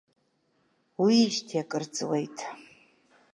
Уиижьҭеи акыр ҵуеит.